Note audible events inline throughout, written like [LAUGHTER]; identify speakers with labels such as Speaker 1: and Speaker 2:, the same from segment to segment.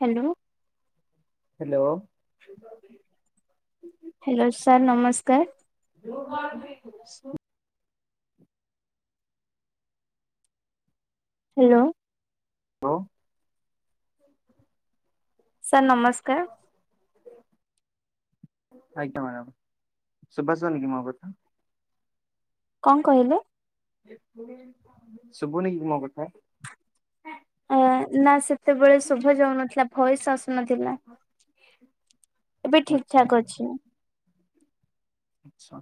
Speaker 1: Hello
Speaker 2: hello
Speaker 1: hello sir ନମସ୍କାର
Speaker 2: ର
Speaker 1: hello.
Speaker 2: ହଁ।
Speaker 1: ସାର୍ ନମସ୍କାର।
Speaker 2: ଆଜ୍ଞା ମାଡାମ ସୁବା ଯଉନିକି ମୋ କଥା।
Speaker 1: କଣ କହିଲେ?
Speaker 2: ଶବୁନି କି ମୋ କଥା?
Speaker 1: ଆ ନା ସେତେବେଳେ ଶୁଭା ଯାଉ ନଥିଲା। ଭଏସ୍ ଆ ନଥିଲା ଏବେ ଠିକ୍
Speaker 2: ଆଚ୍ଛା
Speaker 1: ଠାକ୍ ଅଛି।
Speaker 2: ଆଚ୍ଛା।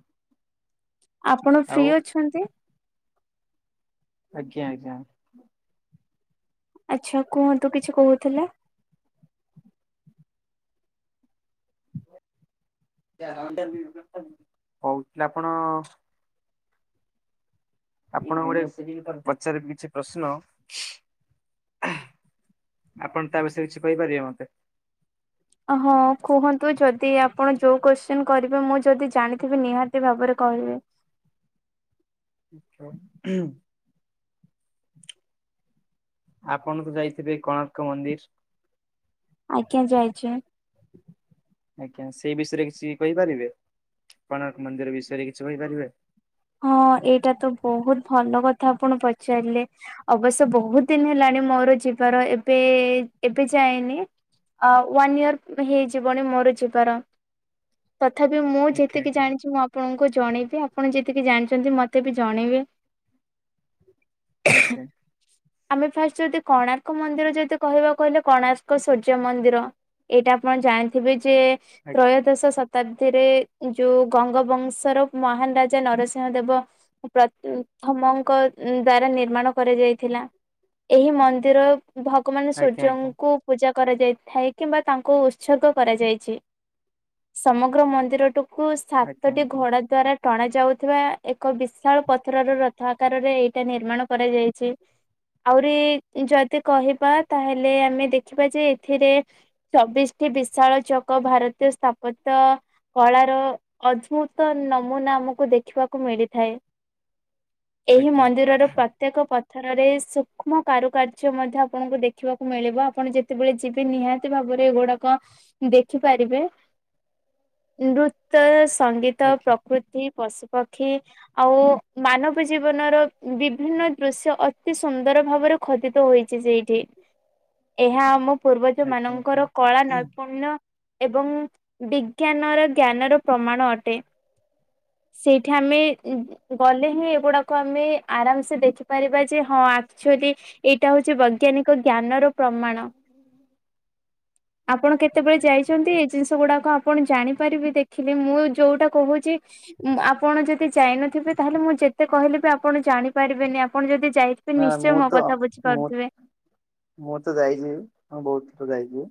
Speaker 1: ଆପଣ ଫ୍ରି
Speaker 2: ଆଉ
Speaker 1: ଅଛନ୍ତି?
Speaker 2: ଆଜ୍ଞା ଆଜ୍ଞା।
Speaker 1: ଆଚ୍ଛା କୁହନ୍ତୁ କିଛି କହୁଥିଲେ।
Speaker 2: ହଉଥିଲି ଆପଣ ଆପଣ ଗୋଟେ ସେ ତ ପଚାରିବେ କିଛି ପ୍ରଶ୍ନ। ଆପଣ ତା ବିଷୟରେ କିଛି କହିପାରିବେ ମତେ।
Speaker 1: ହଁ କୁହନ୍ତୁ ଯଦି ଆପଣ ଯୋଉ କୋଶ୍ଚିନ କରିବେ ମୁଁ ଯଦି ଜାଣିଥିବି ନିହାତି ଭାବରେ କହିବି।
Speaker 2: ଆଚ୍ଛା। ଆପଣ ତ ଯାଇଥିବେ କୋଣାର୍କ ମନ୍ଦିର୍?
Speaker 1: ଆଜ୍ଞା ଯାଇଚି।
Speaker 2: ଆଜ୍ଞା ସେଇ ବିଷୟରେ କିଛି କହିପାରିବେ? କଣାର୍କ ମନ୍ଦିର୍ ବିଷୟରେ କିଛି କହିପାରିବେ?
Speaker 1: ହଁ ଏଇଟା ତ ବହୁତ ଭଲ କଥା ଆପଣ ପଚାରିଲେ। ଅବଶ୍ୟ ବହୁତ ଦିନ ହେଲାଣି ମୋର ଯିବାର ଏବେ ଏବେ ଯାଇନି। ୱାନ୍ ଇୟର ହେଇଯିବଣି ମୋର ଯିବାର। ତଥାପି ମୁଁ
Speaker 2: ଆଜ୍ଞା
Speaker 1: ଯେତିକି
Speaker 2: ଆଜ୍ଞା
Speaker 1: ଜାଣିଚି ମୁଁ ଆପଣଙ୍କୁ ଜଣେଇବି। ଆପଣ ଯେ ତିକି ଜାଣିଚନ୍ତି ମତେ ବି ଜଣେଇବେ।
Speaker 2: ଆଜ୍ଞା।
Speaker 1: ଆମେ ଫାଷ୍ଟ ଯଦି କୋଣାର୍କ ମନ୍ଦିର ଯଦି କହିବା କହିଲେ କୋଣାର୍କ ସୂର୍ଯ୍ୟ ମନ୍ଦିର। ଏଇଟା ଆପଣ ଜାଣିଥିବେ। ଯେ ତ୍ରୟୋଦଶ ଶତାବ୍ଦୀରେ ଯୋଉ ଗଙ୍ଗବଂଶର ମହାନ ରା ଯେ ନରସିଂହ ଦେବ ପ୍ରଥମଙ୍କ ଦ୍ଵାରା ନିର୍ମାଣ କରାଯାଇଥିଲା। ଏହି ମନ୍ଦିର ଭଗବାନ
Speaker 2: ଆଜ୍ଞା ଆଜ୍ଞା
Speaker 1: ସୂର୍ଯ୍ୟଙ୍କୁ ପୂଜା କରାଯାଇଥାଏ କିମ୍ବା ତାଙ୍କୁ ଉତ୍ସର୍ଗ କରାଯାଇଚି। ସମଗ୍ର ମନ୍ଦିରଠୁ କୁ
Speaker 2: ଆଜ୍ଞା ଆଜ୍ଞା ଆଜ୍ଞା
Speaker 1: ସାତଟି ଘୋଡା ଦ୍ଵାରା ଟଣା ଯା ଯାଉଥିବା ଏକ ବିଶାଳ ପଥରର ରଥ ଆକାରରେ ଏଇଟା ନିର୍ମାଣ କରାଯାଇଚି। ଆହୁରି ଯଦି କହିବା ତାହେଲେ ଆମେ ଦେଖିବା ଯେ ଏଥିରେ ଚବିଶ୍ ବିଶାଳ ଚକ ଭାରତୀୟ ସ୍ଥାପତ୍ୟ କଳାର ଅଦ୍ଭୁତ ନମୁନା ଆମ ଦେଖିବାକୁ ମିଳିଥାଏ। ଏହି
Speaker 2: ଆଜ୍ଞା
Speaker 1: ମନ୍ଦିରର ପ୍ରତ୍ୟେକ ପଥରରେ ସୁକ୍ଷ୍ମ କାରୁକାର୍ଯ୍ୟ ମଧ୍ୟ ଆପଣଙ୍କୁ ଦେଖିବାକୁ ମିଳିବ। ଆପଣ ଯେତେବେଳେ ଯିବେ ନିହାତି ଭାବରେ ଏଗୁଡାକ ଦେଖିପାରିବେ। ନୃତ୍ୟ ସଙ୍ଗୀତ
Speaker 2: ଆଜ୍ଞା
Speaker 1: ପ୍ରକୃତି ପଶୁପକ୍ଷୀ ଆଉ ମାନବ ଜୀବନର ବିଭିନ୍ନ ଦୃଶ୍ୟ ଅତି ସୁନ୍ଦର ଭାବରେ ଖତିିତ ହୋଇଚି ସେଇ। ଏହା ଆମ ପୂର୍ବଜ
Speaker 2: ଆଜ୍ଞା
Speaker 1: ମାନଙ୍କର
Speaker 2: ଆଜ୍ଞା।
Speaker 1: କଳା ନୈପୁଣ୍ୟ ଏବଂ ବିଜ୍ଞାନର ଜ୍ଞାନର ପ୍ରମାଣ ଅଟେ। ସେଇ ଏଠି ଆମେ ଗଲେ ହିଁ ଗୁଡାକୁ ଆମେ ଆରାମ ସେ ଦେଖିପାରିବା ଯେ ହଁ ଆକଚୁଆଲି ଏଇଟା ହଉଛି ବୈଜ୍ଞାନିକ ଜ୍ଞାନର ପ୍ରମାଣ ଆପଣ କେତେବେଳେ ଯାଇଚନ୍ତି। ଏଇ ଜିନିଷ ଗୁଡା ଆପଣ ଜାଣିପାରିବେ ଦେଖିଲେ। ମୁଁ ଯୋଉଟା କହୁଚି ଆପଣ ଯଦି ଯାଇନଥିବେ ତାହେଲେ ମୁଁ ଯେତେ କହିଲେ ବି ଆପଣ ଜାଣିପାରିବେନି। ଆପଣ ଯଦି ଯାଇଥିବେ
Speaker 2: ନା
Speaker 1: ନିଶ୍ଚୟ
Speaker 2: ମୁଁ
Speaker 1: ମୋ
Speaker 2: ତ
Speaker 1: କଥା
Speaker 2: ମୁଁ
Speaker 1: ବୁଝିପାରୁଥିବେ।
Speaker 2: ମୁଁ ତ ଯାଇଛି ବହୁତ। ଯାଇଛି।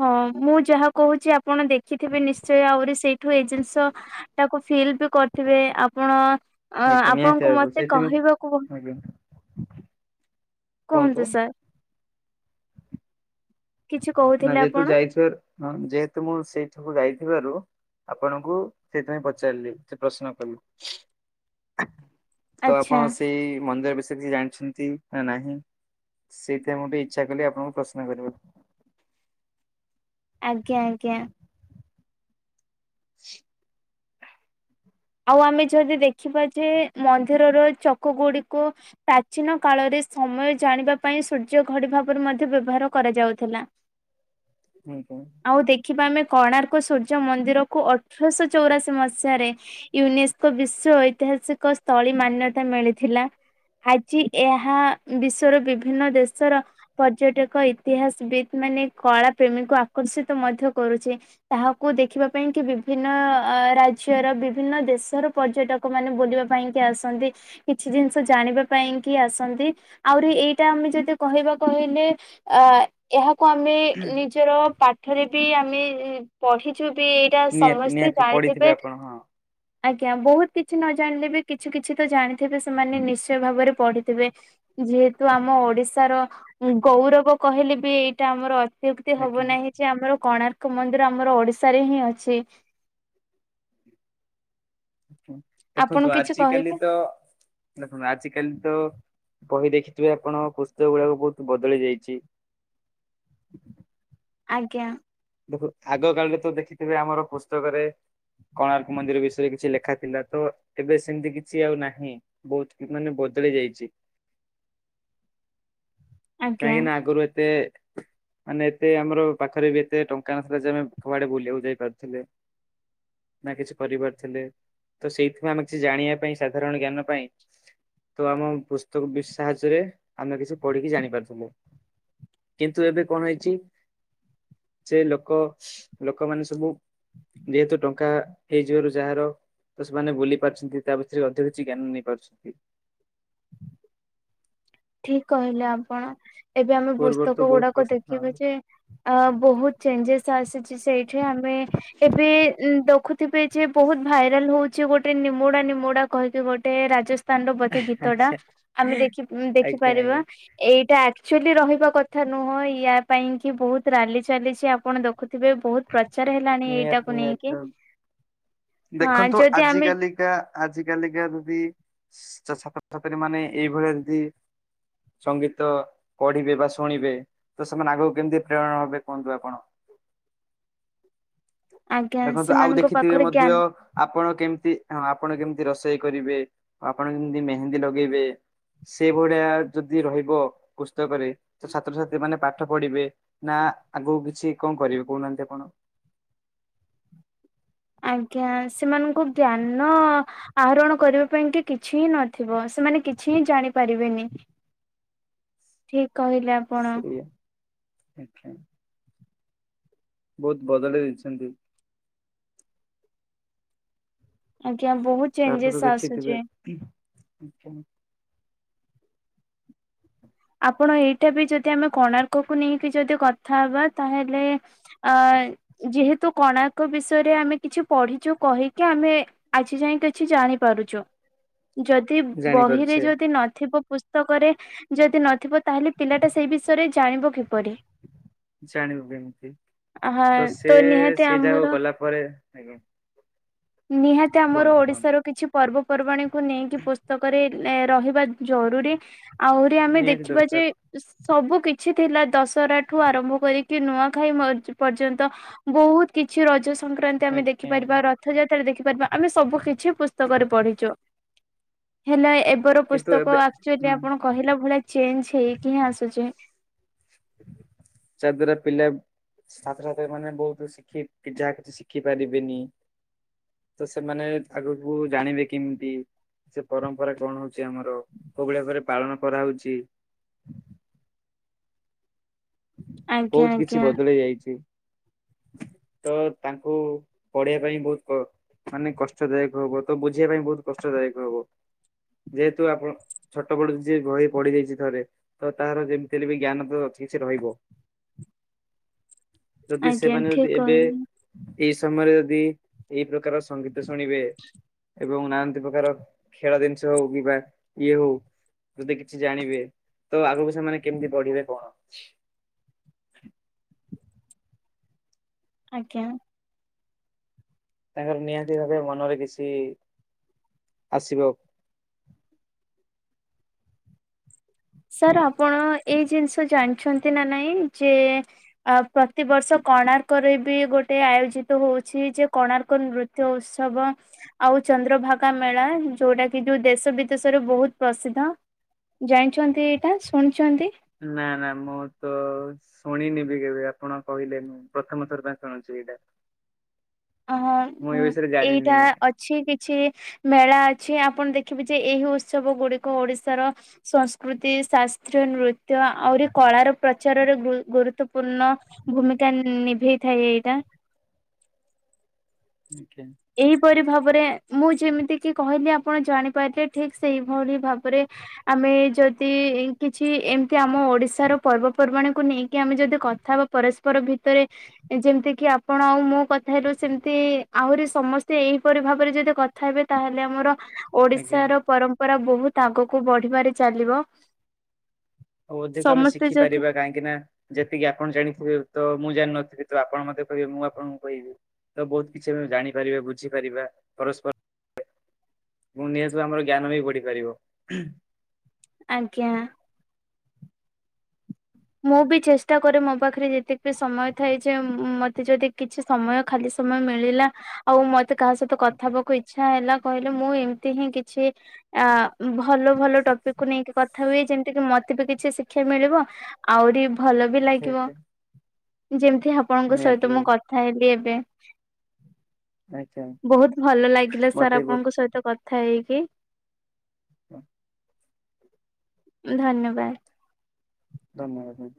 Speaker 1: ହଁ ମୁଁ ଯାହା କହୁଛି ଆପଣ ଦେଖିଥିବେ ନିଶ୍ଚୟ। ଆହୁରି ସେଇଠୁ ଏ ଜିନିଷ ଟାକୁ ଫିଲ୍ ବି କରିଥିବେ। ଆପଣ
Speaker 2: ଆଜ୍ଞା ନିହାତି
Speaker 1: ଆପଣଙ୍କୁ
Speaker 2: ଭାବେ
Speaker 1: ମତେ
Speaker 2: ସେଥିରୁ
Speaker 1: କହିବାକୁ
Speaker 2: ଆଜ୍ଞା
Speaker 1: କୁହନ୍ତୁ ସାର୍। କିଛି
Speaker 2: ନା
Speaker 1: କହୁଥିଲେ
Speaker 2: ଯେହେତୁ
Speaker 1: ଆପଣ
Speaker 2: ଯାଇଥିବେ ଯେହେତୁ ମୁଁ ସେଇଠିକୁ ଯାଇ ଥିବାରୁ ଆପଣଙ୍କୁ ସେଥିପାଇଁ ପଚାରିଲି ସେ ପ୍ରଶ୍ନ କଲି। ତ
Speaker 1: ଆଚ୍ଛା
Speaker 2: ଆପଣ ସେଇ ମନ୍ଦିର ବିଷୟରେ କିଛି ଜାଣିଛନ୍ତି ନା ନାହିଁ? ସେଇଥିପାଇଁ ମୁଁ ଟିକେ ଇଚ୍ଛା କଲି ଆପଣଙ୍କୁ ପ୍ରଶ୍ନ କରିବାକୁ।
Speaker 1: ଆଜ୍ଞା, ଆଜ୍ଞା।
Speaker 2: [INAUDIBLE]
Speaker 1: ଆଉ ଆମେ ଯଦି ଦେଖିବା ଯେ, ମନ୍ଦିରର ଚକ ଗୁଡିକୁ ପ୍ରାଚୀନ କାଳରେ ସମୟ ଜାଣିବା ପାଇଁ ସୂର୍ଯ୍ୟ ଘଡ଼ି ଭାବରେ ମଧ୍ୟ ବ୍ୟବହାର କରାଯାଉଥିଲା।
Speaker 2: ଆଜ୍ଞା।
Speaker 1: ଆଉ ଦେଖିବା ଆମେ କୋଣାର୍କ ସୂର୍ଯ୍ୟ ମନ୍ଦିର କୁ ଅଠରଶ ଚୌରାଶି ମସିହାରେ ୟୁନେସ୍କୋ ବିଶ୍ୱ ଐତିହାସିକ ସ୍ଥଳୀ ମାନ୍ୟତା ମିଳିଥିଲା। ଆଜି ଏହା ବିଶ୍ଵର ବିଭିନ୍ନ ଦେଶର ପର୍ଯ୍ୟଟକ ଇତିହାସ ବିି ମାନେ କଳା ପ୍ରେମୀକୁ ଆକର୍ଷିତ ମଧ୍ୟ କରୁଛି ତାହାକୁ ଦେଖିବା ପାଇଁ କି ବିଭିନ୍ନ ରାଜ୍ୟର ବି ବିଭିନ୍ନ ଦେଶର ପର୍ଯ୍ୟଟକ ମାନେ ବୁଲିବା ପାଇଁ କି ଆସନ୍ତି କିଛି ଜିନିଷ ଜାଣିବା ପାଇଁ କି ଆସନ୍ତି ଆହୁରି ଏଇଟା ଆମେ ଯଦି କହିବା କହିଲେ ଅ ଏହାକୁ ଆମେ ନିଜର ପାଠରେ ବି ଆମେ ପଢିଛୁ। ବି ଏଇଟା
Speaker 2: ନିହାତି
Speaker 1: ସମସ୍ତେ
Speaker 2: ନିହାତି ପଢିଥିବେ
Speaker 1: ଜାଣିଥିବେ।
Speaker 2: ଆପଣ ହଁ
Speaker 1: ଆଜ୍ଞା ବହୁତ କିଛି ନ ଜାଣିଲେ ବି କିଛି କିଛି ତ ଜାଣିଥିବେ ସେମାନେ ନିଶ୍ଚୟ ଭାବରେ ପଢିଥିବେ। ଯେହେତୁ ଆମ ଓଡିଶାର ଗୌରବ କହିଲେ ବି ଏଇଟା ଆମର ଅ ତ୍ୟୁକ୍ତି
Speaker 2: ଆଜ୍ଞା
Speaker 1: ହବ ନାହିଁ ଯେ ଆମର କୋଣାର୍କ ମନ୍ଦିର ଆମର ଓଡିଶାରେ ହିଁ ଅଛି। ଆପଣ
Speaker 2: ଦେଖନ୍ତୁ
Speaker 1: କିଛି
Speaker 2: ଆଜିିକାଲି
Speaker 1: କହିବେ
Speaker 2: ତ ଦେଖନ୍ତୁ ଆଜିିକାଲି ତ ବହି ଦେଖିଥିବେ ଆପଣ ପୁସ୍ତକ ଗୁଡାକ ବହୁତ ବଦଳି ଯାଇଛି। [INAUDIBLE]
Speaker 1: ଆଜ୍ଞା।
Speaker 2: ଦେଖ ଆଗ କାଳରେ ତ ଦେଖିଥିବେ ଆମର ପୁସ୍ତକରେ କୋଣାର୍କ ମନ୍ଦିର ବିଷୟରେ କିଛି ଲେଖା ଥିଲା ତ ଏବେ ସେମିତି କିଛି ଆଉ ନାହିଁ ବହୁତ ମାନେ ବ ଦଳି ଯାଇଛି।
Speaker 1: [INAUDIBLE] ଆଜ୍ଞା।
Speaker 2: କାହିଁକି ନା ଆଗରୁ ଏତେ ମାନେ ଏତେ ଆମର ପାଖରେ ବି ଏତେ ଟଙ୍କା ନଥିଲା ଯେ ଆମେ କୁଆଡେ ବୁଲିବାକୁ ଯାଇପାରୁଥିଲେ। ନା କିଛି କରିପାରୁଥିଲେ ତ ସେଇଥିପାଇଁ ଆମେ କିଛି ଜାଣିବା ପାଇଁ ସାଧାରଣ ଜ୍ଞାନ ପାଇଁ ତ ଆମ ପୁସ୍ତକ ବିସ ସାହାଯ୍ୟରେ ଆମେ କିଛି ପଢିକି ଜାଣିପାରୁଥିଲେ। କିନ୍ତୁ ଏବେ କଣ ହେଇଛି, ସେ ଲୋକ ଲୋକମାନେ ସବୁ ଯେହେତୁ ଟଙ୍କା ହେଇଯିବାରୁ ଯାହାର ତ ସେମାନେ ବୁଲି ପାରୁଛନ୍ତି ତା ଭିତରେ ଅଧିକ କିଛି ଜ୍ଞାନ ନେଇ ପାରୁଛନ୍ତି।
Speaker 1: ଠିକ କହିଲେ ଆପଣ। ଏବେ ଆମେ
Speaker 2: ପୂର୍ବରୁ ତ
Speaker 1: ପୁସ୍ତକ
Speaker 2: ବହୁତ
Speaker 1: ଗୁଡାକ
Speaker 2: କଷ୍ଟ
Speaker 1: ଦେଖିବା
Speaker 2: ହଁ
Speaker 1: ଯେ ଅ ବହୁତ ଚେଞ୍ଜେସ୍ ଆସିଛି ସେଇଠି ଆମେ ଏବେ ଦେଖୁଥିବେ ଯେ ବହୁତ ଭାଇରାଲ ହଉଛି ଗୋଟେ ନିମୁଡା ନିମୁଡା କହିକି ଗୋଟେ ରାଜ ସ୍ଥାନ ର ବୋଧେ ଗୀତ ଟା
Speaker 2: ଆଚ୍ଛା।
Speaker 1: ଆମେ ଦେଖି
Speaker 2: ଆଜ୍ଞା
Speaker 1: ଦେଖିପାରିବା
Speaker 2: ଆଜ୍ଞା
Speaker 1: ଏଇଟା ଆକ୍ଚୁଲି ରହିବା କଥା ନୁହଁ ୟା ପାଇଁ କି ବହୁତ ରାଲି ଚାଲିଛି ଆପଣ ଦେ ଦେଖୁଥିବେ ବହୁତ ପ୍ରଚାର ହେଲାଣି
Speaker 2: ନିହାତି
Speaker 1: ଏଇଟାକୁ
Speaker 2: ନିହାତି
Speaker 1: ନେଇକି।
Speaker 2: ଭାବେ
Speaker 1: ହଁ
Speaker 2: ଦେଖନ୍ତୁ
Speaker 1: ଯଦି
Speaker 2: ଆଜି
Speaker 1: ଆମେ
Speaker 2: କାଲିକା ଆଜି କାଲିକା ଯଦି ଛାତ୍ରଛାତ୍ରୀ ମାନେ ଏଇଭଳିଆ ଯଦି ସଙ୍ଗୀତ ପଢିବେ ବା ଶୁଣିବେ ତ ସେମାନେ ଆଗକୁ କେମିତି ପ୍ରେରଣା ହବେ କୁହନ୍ତୁ ଆପଣ
Speaker 1: ଆଜ୍ଞା
Speaker 2: ଦେଖନ୍ତୁ ଆଉ
Speaker 1: ସେମାନଙ୍କ
Speaker 2: ଦେଖିଥିବେ
Speaker 1: ପାଖରେ
Speaker 2: ମଧ୍ୟ
Speaker 1: ଜ୍ଞାନ
Speaker 2: ଆପଣ କେମିତି ହଁ ଆପଣ କେମିତି ରୋଷେଇ କରିବେ ଆପଣ ଯେମିତି ମେହେନ୍ଦୀ ଲଗେଇବେ ସେ ଭଳିଆ ଯଦି ରହିବ ପୁସ୍ତକରେ ତ ଛାତ୍ରଛାତ୍ରୀ ମାନେ ପାଠ ପଢିବେ ନା ନା ଆଗକୁ କିଛି କଣ କରିବି କହୁନାହାନ୍ତି ଆପଣ?
Speaker 1: ହ ଆଜ୍ଞା ସେମାନଙ୍କୁ ଜ୍ଞାନ ଆହରଣ କରିବା ପାଇଁ କି କିଛି ହିଁ ନଥିବ। ସେମାନେ କିଛି କିଛି ଜାଣିପାରିବେନି। ଠିକ କହିଲେ ଆପଣ।
Speaker 2: ସେଠି ବହୁତ ବଦଳେଇ ଦେଇଛନ୍ତି।
Speaker 1: ଆଜ୍ଞା ବହୁତ
Speaker 2: ତାପରେ ତ
Speaker 1: ଚେଞ୍ଜେସ୍ ଆସୁଛି।
Speaker 2: ଦେଖିଥିବେ
Speaker 1: ଆପଣ ଏଇଟା ବି ଯଦି ଆମେ କୋଣାର୍କକୁ ନେଇକି ଯଦି କଥା ହବା ତାହେଲେ ଅ ଆ ଯେହେତୁ କୋଣାର୍କ ବିଷୟରେ ଆମେ କିଛି ପଢିଛୁ କହିକି ଆମେ ଆଜି ଯାଇ କି ଜାଣି ପାରୁଛୁ ଯଦି ବହିରେ
Speaker 2: ଜାଣିପାରୁଛେ
Speaker 1: ଯଦି ନଥିବ ପୁସ୍ତକରେ ଯଦ୍ ଦି ନଥିବ ତାହେଲେ ପିଲାଟା ସେଇ ବିଷୟରେ ଜାଣିବ କିପରି?
Speaker 2: ଜାଣିବୁ ଏମିତି
Speaker 1: ଆହା
Speaker 2: ତ ସେ
Speaker 1: ନିହାତି
Speaker 2: ସେ
Speaker 1: ଆମର
Speaker 2: ଜାଗାକୁ ଗଲା ପରେ ଆଞା।
Speaker 1: ନିହାତି ଆମର ଓଡିଶାର କିଛି ପର୍ବପର୍ବାଣୀକୁ ନେଇକି ପୁସ୍ତକରେ ରହିବା ଜରୁରୀ ଆହୁରି ଆମେ
Speaker 2: ନିହାତି
Speaker 1: ଦେଖିବା ଯେ
Speaker 2: ଦରକାର
Speaker 1: ସବୁ କିଛି କିଛି ଥିଲା ଦଶହରା ଠୁ ଆରମ୍ଭ କରିକି ନୂଆଖାଇ ପର୍ଯ୍ୟନ୍ତ ବହୁତ କିଛି ରଜ ସଂକ୍ରାନ୍ତି ଆମେ
Speaker 2: ଆଜ୍ଞା
Speaker 1: ଦେଖିପାରିବା
Speaker 2: ଆଜ୍ଞା
Speaker 1: ରଥଯାତ୍ରା ଦେଖିପାରିବା ଆମେ ସବୁ କିଛି ପୁସ୍ତକରେ ପଢିଛୁ। ହେଲେ ଏବେର
Speaker 2: କିନ୍ତୁ
Speaker 1: ପୁସ୍ତକ
Speaker 2: ଏବେ
Speaker 1: ଆକ୍ଚୁଆଲି
Speaker 2: ହଁ
Speaker 1: ଆପଣ କହିଲା ଭଳିଆ ଚେଞ୍ଜ ହେଇକିହିଁ ଆସୁଛି।
Speaker 2: ଚାଦ୍ୱାରା ପିଲା ଛାତ୍ରଛାତ୍ରୀ ମାନେ ବହୁତ ଶିଖି କି ଯାହା କିଛି ଶିଖି ପାରିବେନି। ତ ସେମାନେ ଆଗକୁ ଜାଣିବେ କେମିତି? ସେ ପରମ୍ପରା କଣ ହଉଛି ଆମର କୋଉଭଳିଆ ଘରେ ପାଳନ କରାହଉଛି।
Speaker 1: ଆଜ୍ଞା
Speaker 2: ବହୁତ
Speaker 1: ଆଜ୍ଞା
Speaker 2: କିଛି ବଦଳି ଯାଇଛି। ତ ତାଙ୍କୁ ପଢେଇବା ପାଇଁ ବହୁତ ମାନେ କଷ୍ଟଦାୟକ ହବ ତ ବୁଝିବା ପାଇଁ ବହୁତ କଷ୍ଟଦାୟକ ହବ। ଯେହେତୁ ଆପଣ ଛୋଟ ପଡୁ ଯି ବହି ପଢି ଦେଇଛି ଥରେ ତ ତାର ଯେମିତିରେ ବି ଜ୍ଞାନ ତ ଅଛି। ରହିବ ଯଦି
Speaker 1: ଆଜ୍ଞା
Speaker 2: ସେମାନେ
Speaker 1: ଠିକ
Speaker 2: ଯଦି ଏବେ
Speaker 1: କହିଲେ
Speaker 2: ଏଇ ସମୟରେ ଯଦି ଏଇ ପ୍ରକାର ସଙ୍ଗୀତ ଶୁଣିବେ ଏବଂ ନାନାଦି ପ୍ରକାର ଖେଳ ଜିନିଷ ହଉ କିମ୍ବା ଇଏ ହଉ ଯଦି କିଛି ଜାଣିବେ ତ ଆଗକୁ ସେମାନେ କେମିତି ପଢିବେ କଣ?
Speaker 1: ଆଜ୍ଞା।
Speaker 2: ତାଙ୍କର ନିହାତି ଭାବେ ମନରେ କିଛି ଆସିବ
Speaker 1: ସାର୍ ଆପଣ ଏଇ ଜିନିଷ ଜାଣିଛନ୍ତି ନା ନାଇଁ ଯେ ପ୍ରତିବର୍ଷ କୋଣାର୍କରେ ବି ଗୋଟେ ଟେ ଆୟୋଜିତ ହଉଛି ଯେ କୋଣାର୍କ ନୃତ୍ୟ ଉତ୍ସବ ଆଉ ଚନ୍ଦ୍ରଭାଗା ମେଳା ଯୋଉଟା କି ଯୋଉ ଦେଶ ବିଦେଶରେ ବହୁତ ପ୍ରସିଦ୍ଧ ଜାଣିଛନ୍ତି ଏଇଟା ଶୁଣିଛନ୍ତି?
Speaker 2: ନା ନା ମୁଁ ତ ଶୁଣିନି ବି କେବେ ଆପଣ କହିଲେ ମୁଁ ପ୍ରଥମ ଥର ପାଇଁ ଶୁଣୁଛି। ସେଇଟା।
Speaker 1: ଅ ଏଇଟା
Speaker 2: ଜାଣିନି
Speaker 1: ଅଛି କିଛି ମେଳା ଅଛି ଆପଣ ଦେଖ ଖିବେ ଯେ ଏହି ଉତ୍ସବ ଗୁଡିକ ଓଡିଶାର ସଂସ୍କୃତି ଶାସ୍ତ୍ର ନୃତ୍ୟ ଆହୁରି କ ଳାର ପ୍ରଚାରରେ ଗୁ ଗୁରୁତ୍ୱପୂର୍ଣ୍ଣ ଭୂମିକା ନିଭେଇଥାଏ ଏଇଟା।
Speaker 2: ଆଜ୍ଞା
Speaker 1: ଏହିପରି ଭାବ ପରେ ମୁଁ ଯେମିତି କହିଲି ଆପଣ ଜାଣି ପାରିଥିବେ ଠିକ ସେଇଭଳି ଭାବରେ ଆମେ ଯ ଯଦି କିଛି ଏମିତି ଆମ ଓଡିଶାର ପର୍ବପର୍ବାଣୀକୁ ନେଇକି ଆମେ ଯଦି କଥା ବା ପରସ୍ପର ଭିତରେ ଯେମିତି କି ଆପଣ ଆଉ ମୋ କଥା ହେଲୁ ସେମିତି ଆହୁରି ସମସ୍ତେ ଏହିପରି ଭାବରେ ଯଦି କଥା ହେବେ ତାହେଲେ ଆମର
Speaker 2: ଆଜ୍ଞା
Speaker 1: ଓଡିଶାର ପରମ୍ ପରା ବହୁତ ଆଗକୁ ବଢିବାରେ ଚାଲିବ।
Speaker 2: ଆଉ ଅଧିକ ଆମେ
Speaker 1: ସମସ୍ତେ ଯଦି
Speaker 2: ଶିଖିପାରିବା କାହିଁକି ନା ଯେତିକି ଆପଣ ଜାଣିଥିବେ ତ ମୁଁ ଜାଣିନଥିବି ତ ଆପଣ ମତେ କହିବେ ମୁଁ ଆପଣଙ୍କୁ କହିବି ତ ବହୁତ କିଛି ଆମେ ଜାଣିପାରିବା ବୁଝିପାରିବା। ପରସ୍ପର ଏବଂ ନିହାସରେ ଆମର ଜ୍ଞାନ ବି ବଢିପାରିବ।
Speaker 1: ଆଜ୍ଞା। ମୁଁ ବି ଚେଷ୍ଟା କରେ ମୋ ପାଖରେ ଯେତିକ ବିି ସମୟ ଥାଏ ଯେ ମତେ ଯଦି କିଛି ସମୟ ଖାଲି ସମୟ ମିଳିଲା ଆଉ ମତେ କାହା ସହିତ କଥା ହେବାକୁ ଇଚ୍ଛା ହେଲା କହିଲେ ମୁଁ ଏମିତି ହିଁ କିଛି ଅ ଭଲ ଭଲ ଟପିକ କୁ ନେଇକି କଥା ହୁଏ ଯେମିତି କିି ମତେ ବି କିଛି ଶିକ୍ଷା ମିଳିବ ଆହୁରି ଭଲ ବି
Speaker 2: ଠିକ୍
Speaker 1: ଲାଗିବ
Speaker 2: ଠିକ୍
Speaker 1: ଯେମତି ଆପଣଙ୍କ
Speaker 2: ନିହାତି
Speaker 1: ସହିତ ମୁଁ
Speaker 2: ଭାବେ
Speaker 1: କଥା ହେଲି ଏବେ।
Speaker 2: ଆଜ୍ଞା
Speaker 1: ବହୁତ ଭଲ ଲାଗିଲା ସାର୍
Speaker 2: ମତେ ବି
Speaker 1: ଆପଣଙ୍କ ସହିତ କ ଥାଏ କିି?
Speaker 2: ହ
Speaker 1: ଧନ୍ୟବାଦ।
Speaker 2: ଧନ୍ୟବାଦ।